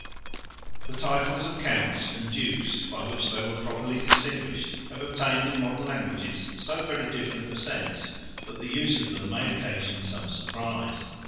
The titles of counts, and dukes, 127 by which they were properly distinguished, have obtained in modern languages so very different a sense, that the use of them may occasion some surprise.